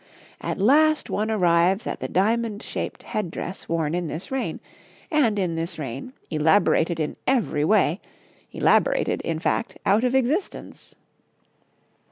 At last one arrives at the diamond shaped head dress worn in this reign, and, in this reign, elaborated in every way, elaborated, in fact, out of existence.